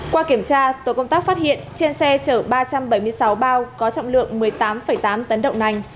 qua kiểm tra tổ công tác phát hiện trên xe chở ba trăm bảy mươi sáu bao có trọng lượng một mươi tám tám tấn đậu nành